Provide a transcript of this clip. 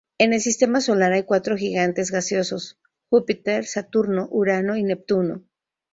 En el sistema solar hay cuatro gigantes gaseosos: Júpiter, Saturno, Urano y Neptuno.